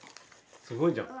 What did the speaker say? すごいじゃん。